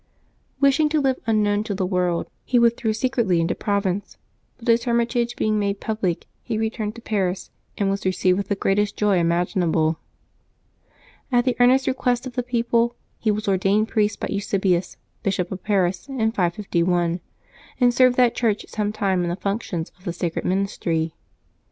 Wishing to live unknown to the world, he withdrew secretly into Provence, but his ^ tlermitage being made public, he returned to Paris, and was received with the greatest joy imaginable. At the earnest request of the people, he was ordained priest by Eusebius, Bishop of Paris, in 551, and served that Church some time in the functions of the sacred ministry.